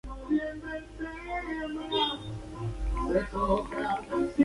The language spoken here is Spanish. Adoptado hasta el momento "An Intimate Evening with Panic!